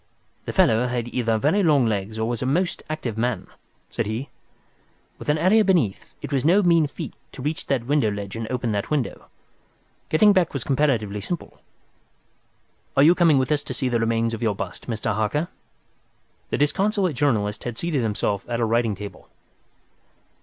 "The fellow had either very long legs or was a most active man," said he. "With an area beneath, it was no mean feat to reach that window ledge and open that window. Getting back was comparatively simple. Are you coming with us to see the remains of your bust, Mr. Harker?" The disconsolate journalist had seated himself at a writing table.